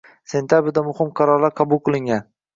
sentabrda muhim qaror qabul qilingan.